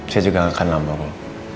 saya juga gak akan lamba om